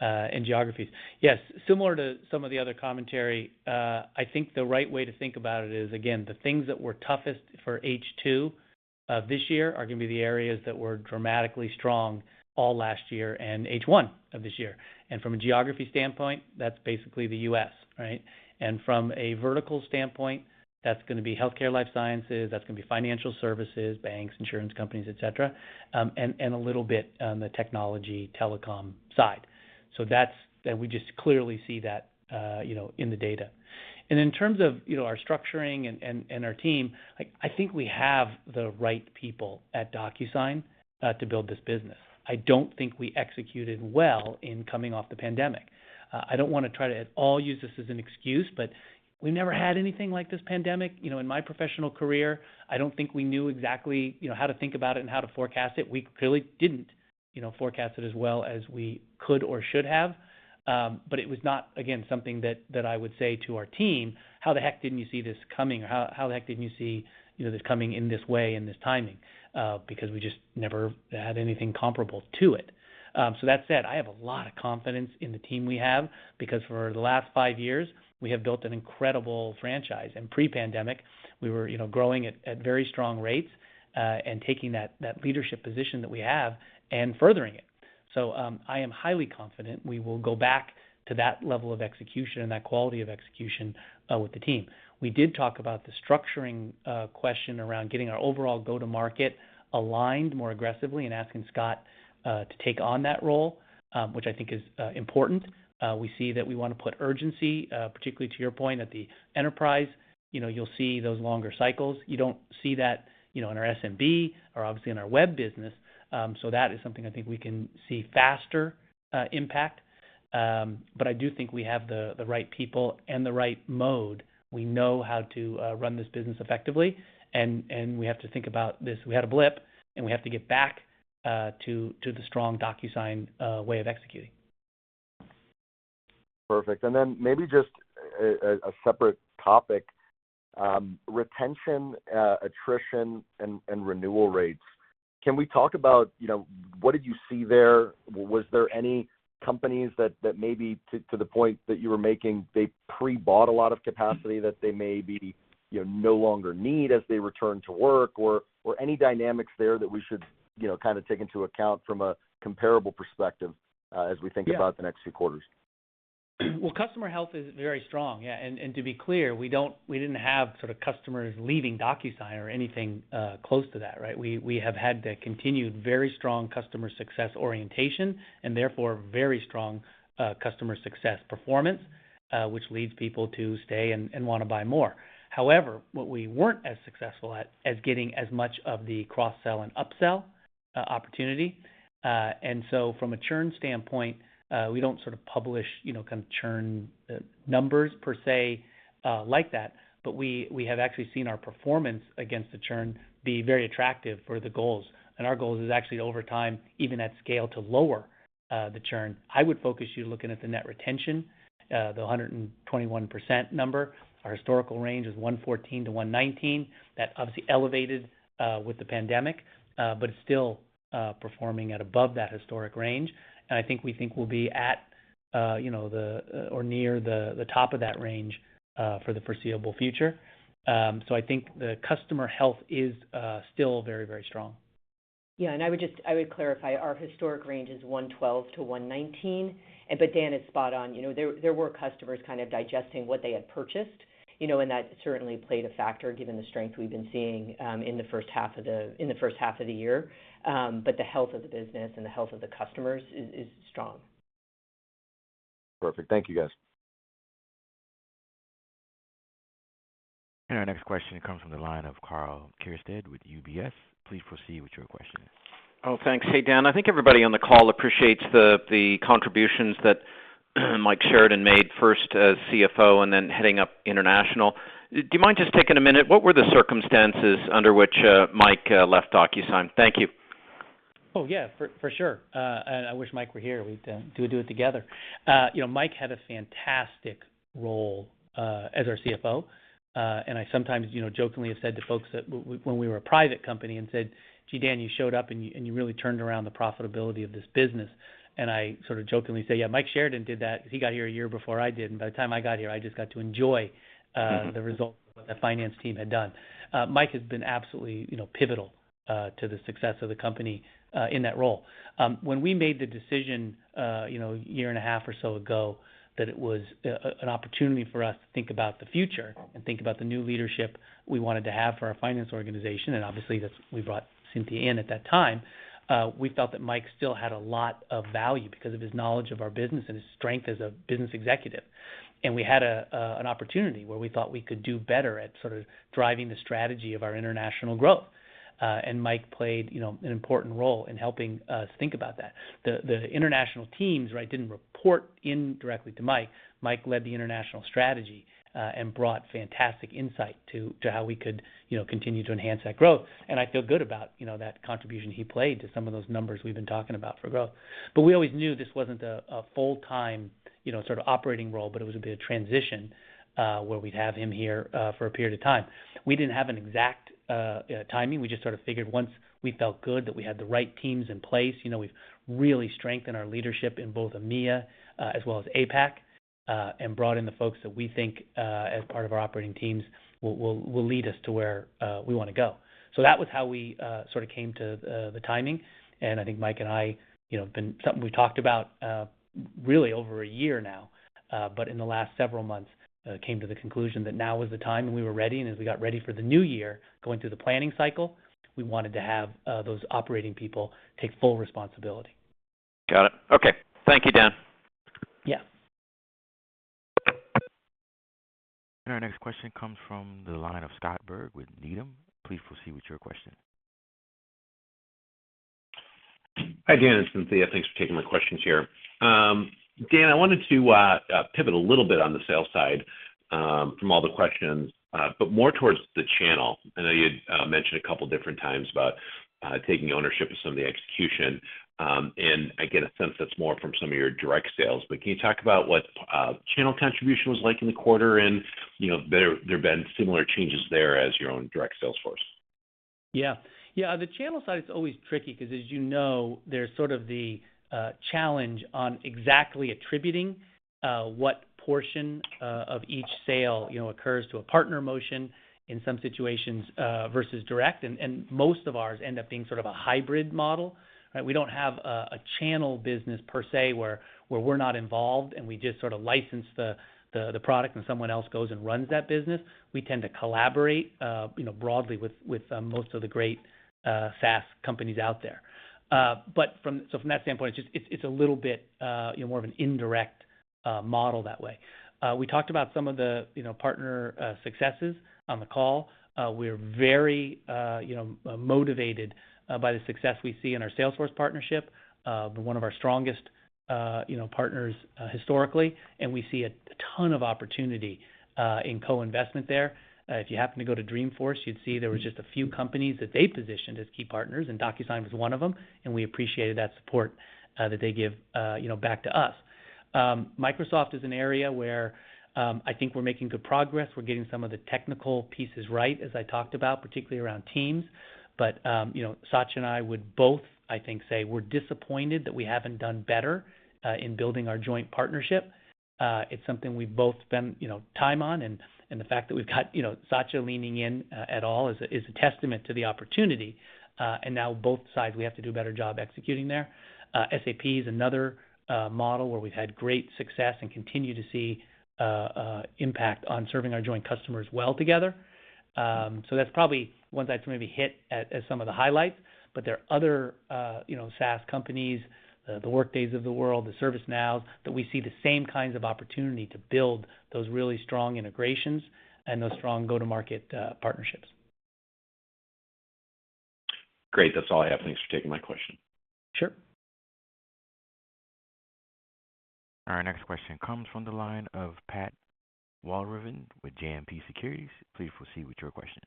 and geographies. Yes, similar to some of the other commentary, I think the right way to think about it is, again, the things that were toughest for H2 of this year are gonna be the areas that were dramatically strong all last year and H1 of this year. From a geography standpoint, that's basically the U.S., right? From a vertical standpoint, that's gonna be healthcare, life sciences, that's gonna be financial services, banks, insurance companies, etc., and a little bit on the technology telecom side. We just clearly see that, you know, in the data. In terms of, our structuring and our team, like, I think we have the right people at DocuSign to build this business. I don't think we executed well in coming off the pandemic. I don't wanna try to at all use this as an excuse, but we never had anything like this pandemic, you know, in my professional career. I don't think we knew exactly, you know, how to think about it and how to forecast it. We clearly didn't, you know, forecast it as well as we could or should have. But it was not, again, something that I would say to our team, "How the heck didn't you see this coming?" Or, "How the heck didn't you see, you know, this coming in this way and this timing," because we just never had anything comparable to it. That said, I have a lot of confidence in the team we have because for the last five years, we have built an incredible franchise. Pre-pandemic, we were, you know, growing at very strong rates and taking that leadership position that we have and furthering it. I am highly confident we will go back to that level of execution and that quality of execution with the team. We did talk about the structuring question around getting our overall go-to-market aligned more aggressively and asking Scott to take on that role, which I think is important. We see that we want to put urgency, particularly to your point, at the enterprise. You know, you'll see those longer cycles. You don't see that, you know, in our SMB or obviously in our web business. That is something I think we can see faster impact. I do think we have the right people and the right mode. We know how to run this business effectively, and we have to think about this. We had a blip, and we have to get back to the strong DocuSign way of executing. Perfect. Then maybe just a separate topic. Retention, attrition, and renewal rates. Can we talk about, you know, what did you see there? Was there any companies that maybe to the point that you were making, they pre-bought a lot of capacity that they maybe, you know, no longer need as they return to work or any dynamics there that we should, you know, kind of take into account from a comparable perspective. Yeah as we think about the next few quarters? Customer health is very strong. To be clear, we didn't have sort of customers leaving DocuSign or anything close to that, right? We have had the continued very strong customer success orientation and therefore very strong customer success performance, which leads people to stay and wanna buy more. However, what we weren't as successful at is getting as much of the cross-sell and upsell opportunity. From a churn standpoint, we don't sort of publish, you know, kind of churn numbers per se like that, but we have actually seen our performance against the churn be very attractive for the goals. Our goal is actually over time, even at scale, to lower the churn. I would focus you looking at the net retention, the 121% number. Our historical range is 114% to 119%. That obviously elevated with the pandemic, but it's still performing above that historic range. I think we'll be at or near the top of that range for the foreseeable future. I think the customer health is still very, very strong. Yeah, I would just clarify, our historic range is 112% to 119%. But Dan is spot on. There were customers kind of digesting what they had purchased, and that certainly played a factor given the strength we've been seeing in the H1 of the year. But the health of the business and the health of the customers is strong. Perfect. Thank you, guys. Our next question comes from the line of Karl Keirstead with UBS. Please proceed with your question. Oh, thanks. Hey, Dan. I think everybody on the call appreciates the contributions that Mike Sheridan made first as CFO and then heading up international. Do you mind just taking a minute? What were the circumstances under which Mike left DocuSign? Thank you. Oh, yeah, for sure. I wish Mike were here. We'd do it together. Mike had a fantastic role as our CFO. I sometimes, jokingly have said to folks that when we were a private company and said, "Gee, Dan, you showed up and you really turned around the profitability of this business." I sort of jokingly say, "Yeah, Mike Sheridan did that because he got here a year before I did, and by the time I got here, I just got to enjoy the results of what the finance team had done." Mike has been absolutely, pivotal to the success of the company in that role. When we made the decision, you know, a year and a half or so ago that it was an opportunity for us to think about the future and think about the new leadership we wanted to have for our finance organization, and obviously that's. We brought Cynthia in at that time. We felt that Mike still had a lot of value because of his knowledge of our business and his strength as a business executive. We had an opportunity where we thought we could do better at sort of driving the strategy of our international growth. Mike played, you know, an important role in helping us think about that. The international teams, right, didn't report indirectly to Mike. Mike led the international strategy and brought fantastic insight to how we could, you know, continue to enhance that growth. I feel good about, you know, that contribution he played to some of those numbers we've been talking about for growth. But we always knew this wasn't a full-time, you know, sort of operating role, but it was a bit of transition, where we'd have him here, for a period of time. We didn't have an exact timing. We just sort of figured once we felt good that we had the right teams in place, you know, we've really strengthened our leadership in both EMEA, as well as APAC, and brought in the folks that we think, as part of our operating teams will lead us to where we wanna go. That was how we sort of came to the timing. I think Mike and I, you know, been something we talked about, really over a year now, but in the last several months, came to the conclusion that now is the time and we were ready. As we got ready for the new year, going through the planning cycle, we wanted to have those operating people take full responsibility. Got it. Okay. Thank you, Dan. Yeah. Our next question comes from the line of Scott Berg with Needham. Please proceed with your question. Hi, Dan. It's Cynthia. Thanks for taking my questions here. Dan, I wanted to pivot a little bit on the sales side, from all the questions, but more towards the channel. I know you mentioned a couple different times about taking ownership of some of the execution, and I get a sense that's more from some of your direct sales. Can you talk about what channel contribution was like in the quarter and, there have been similar changes there as your own direct sales force? Yeah. Yeah, the channel side is always tricky 'cause as you know, there's sort of the challenge on exactly attributing what portion of each sale, you know, occurs to a partner motion in some situations versus direct. Most of ours end up being sort of a hybrid model, right? We don't have a channel business per se where we're not involved, and we just sort of license the product, and someone else goes and runs that business. We tend to collaborate you know broadly with most of the great SaaS companies out there. From that standpoint, it's just a little bit you know more of an indirect model that way. We talked about some of the you know partner successes on the call. We're very, you know, motivated by the success we see in our Salesforce partnership, one of our strongest, you know, partners, historically, and we see a ton of opportunity in co-investment there. If you happen to go to Dreamforce, you'd see there was just a few companies that they positioned as key partners, and DocuSign was one of them, and we appreciated that support that they give, you know, back to us. Microsoft is an area where, I think we're making good progress. We're getting some of the technical pieces right, as I talked about, particularly around Teams. You know, Satya and I would both, I think, say we're disappointed that we haven't done better in building our joint partnership. It's something we've both spent, you know, time on, and the fact that we've got, you know, Satya leaning in at all is a testament to the opportunity. Now both sides, we have to do a better job executing there. SAP is another model where we've had great success and continue to see impact on serving our joint customers well together. That's probably ones I'd maybe hit at some of the highlights. There are other, you know, SaaS companies, the Workdays of the world, the ServiceNows, that we see the same kinds of opportunity to build those really strong integrations and those strong go-to-market partnerships. Great. That's all I have. Thanks for taking my question. Sure. Our next question comes from the line of Pat Walravens with JMP Securities. Please proceed with your question.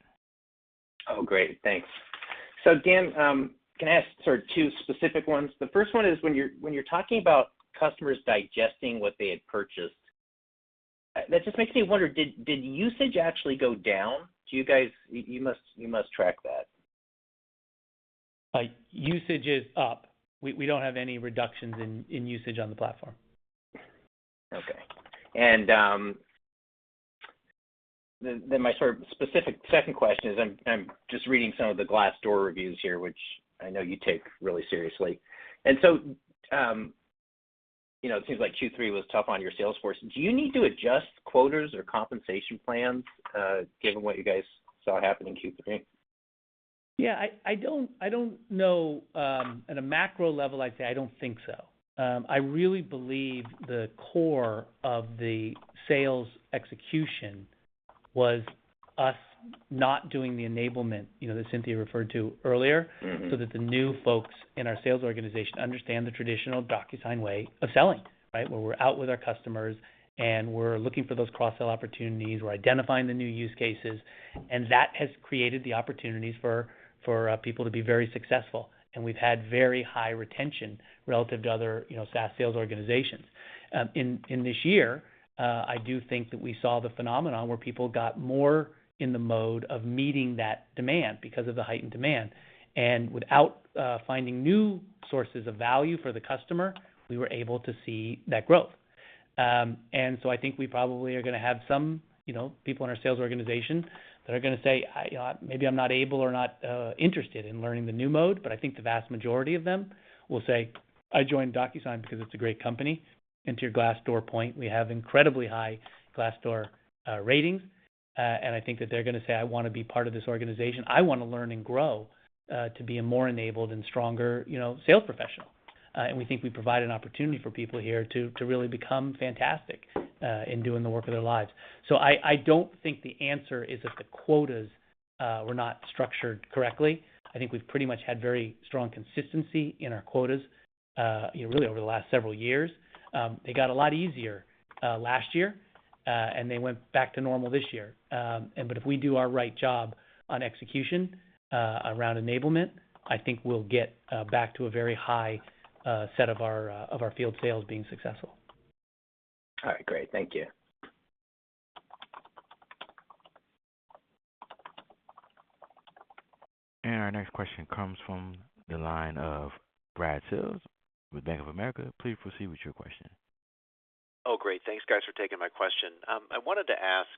Oh, great. Thanks. Dan, can I ask sort of two specific ones? The first one is when you're talking about customers digesting what they had purchased, that just makes me wonder, did usage actually go down? Do you guys? You must track that. Usage is up. We don't have any reductions in usage on the platform. Okay. Then my sort of specific second question is I'm just reading some of the Glassdoor reviews here, which I know you take really seriously. You know, it seems like Q3 was tough on your sales force. Do you need to adjust quotas or compensation plans, given what you guys saw happen in Q3? Yeah, I don't know. At a macro level, I'd say I don't think so. I really believe the core of the sales execution was us not doing the enablement, you know, that Cynthia referred to earlier. Mm-hmm so that the new folks in our sales organization understand the traditional DocuSign way of selling, right? Where we're out with our customers, and we're looking for those cross-sell opportunities. We're identifying the new use cases, and that has created the opportunities for people to be very successful. We've had very high retention relative to other, you know, SaaS sales organizations. In this year, I do think that we saw the phenomenon where people got more in the mode of meeting that demand because of the heightened demand. Without finding new sources of value for the customer, we were able to see that growth. I think we probably are gonna have some, you know, people in our sales organization that are gonna say, "I maybe I'm not able or not interested in learning the new mode." I think the vast majority of them will say, "I joined DocuSign because it's a great company." To your Glassdoor point, we have incredibly high Glassdoor ratings. I think that they're gonna say, "I wanna be part of this organization. I wanna learn and grow to be a more enabled and stronger, you know, sales professional." We think we provide an opportunity for people here to really become fantastic in doing the work of their lives. I don't think the answer is that the quotas were not structured correctly. I think we've pretty much had very strong consistency in our quotas, you know, really over the last several years. They got a lot easier last year, and they went back to normal this year. If we do our job right on execution around enablement, I think we'll get back to a very high set of our field sales being successful. All right, great. Thank you. Our next question comes from the line of Brad Sills with Bank of America. Please proceed with your question. Oh, great. Thanks guys for taking my question. I wanted to ask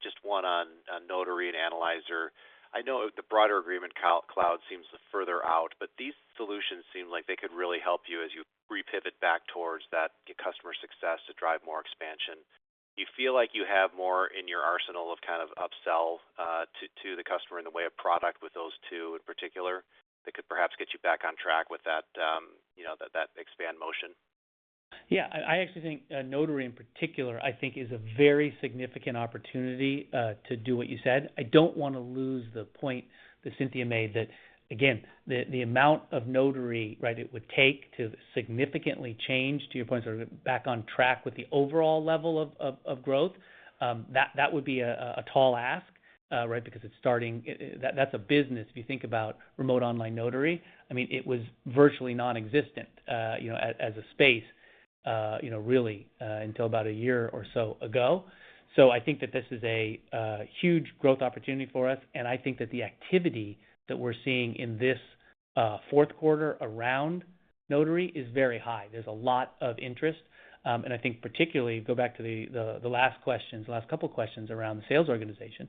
just one on Notary and Analyzer. I know the broader Agreement Cloud seems further out, but these solutions seem like they could really help you as you repivot back towards that gets customer success to drive more expansion. Do you feel like you have more in your arsenal of kind of upsell to the customer in the way of product with those two in particular that could perhaps get you back on track with that expansion motion? Yeah. I actually think Notary in particular I think is a very significant opportunity to do what you said. I don't wanna lose the point that Cynthia made that, again, the amount of Notary, right, it would take to significantly change, to your point, sort of back on track with the overall level of growth, that would be a tall ask, right? Because that's a business, if you think about remote online Notary. I mean, it was virtually nonexistent, you know, as a space, you know, really, until about a year or so ago. So I think that this is a huge growth opportunity for us, and I think that the activity that we're seeing in this fourth quarter around Notary is very high. There's a lot of interest. I think particularly, go back to the last couple questions around the sales organization.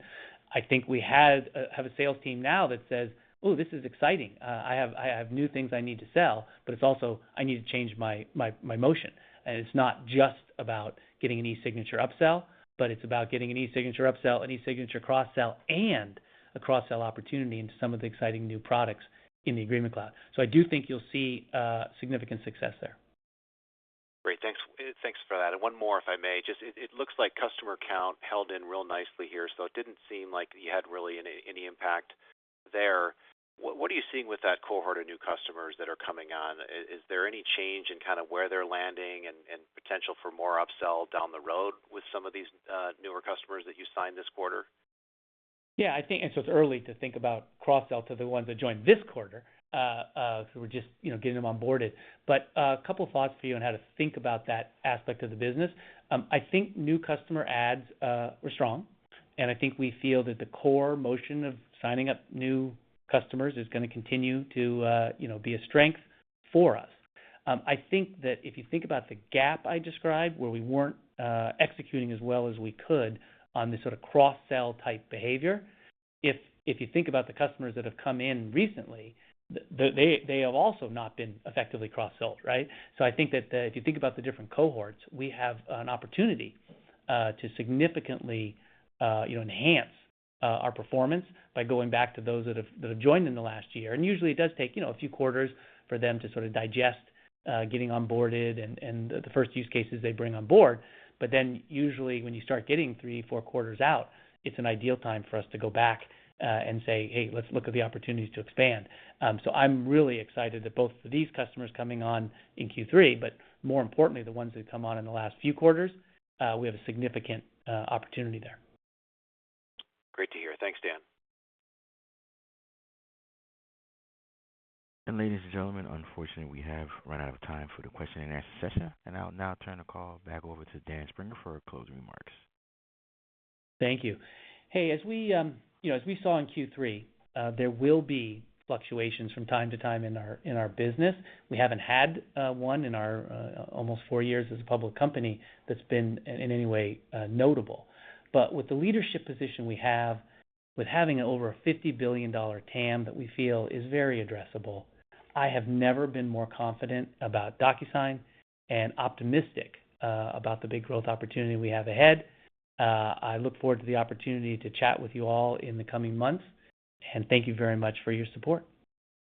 I think we have a sales team now that says, "Ooh, this is exciting. I have new things I need to sell, but it's also I need to change my motion." It's not just about getting an eSignature upsell, but it's about getting an eSignature upsell, an eSignature cross-sell, and a cross-sell opportunity into some of the exciting new products in the Agreement Cloud. I do think you'll see significant success there. Great. Thanks. Thanks for that. One more, if I may. It looks like customer count held up really nicely here, so it didn't seem like you had really any impact there. What are you seeing with that cohort of new customers that are coming on? Is there any change in kind of where they're landing and potential for more upsell down the road with some of these newer customers that you signed this quarter? I think it's early to think about cross-sell to the ones that joined this quarter, who we're just, you know, getting them onboarded. I think a couple thoughts for you on how to think about that aspect of the business. I think new customer adds were strong, and I think we feel that the core motion of signing up new customers is gonna continue to, you know, be a strength for us. I think that if you think about the gap I described, where we weren't executing as well as we could on this sort of cross-sell type behavior, if you think about the customers that have come in recently, they have also not been effectively cross-sold, right? I think that, if you think about the different cohorts, we have an opportunity to significantly, you know, enhance our performance by going back to those that have joined in the last year. Usually it does take, you know, a few quarters for them to sort of digest getting onboarded and the first use cases they bring on board. Then usually when you start getting three, four quarters out, it's an ideal time for us to go back and say, "Hey, let's look at the opportunities to expand." I'm really excited that both for these customers coming on in Q3, but more importantly, the ones who've come on in the last few quarters, we have a significant opportunity there. Great to hear. Thanks, Dan. Ladies and gentlemen, unfortunately we have run out of time for the question and answer session. I'll now turn the call back over to Dan Springer for closing remarks. Thank you. Hey, as we saw in Q3, there will be fluctuations from time to time in our business. We haven't had one in our almost four years as a public company that's been in any way notable. With the leadership position we have, with having over a $50 billion TAM that we feel is very addressable, I have never been more confident about DocuSign and optimistic about the big growth opportunity we have ahead. I look forward to the opportunity to chat with you all in the coming months, and thank you very much for your support.